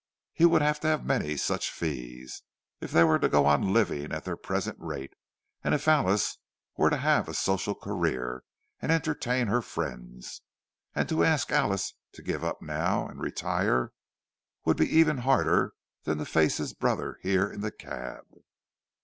He would have to have many such fees, if they were to go on living at their present rate; and if Alice were to have a social career, and entertain her friends. And to ask Alice to give up now, and retire, would be even harder than to face his brother here in the cab.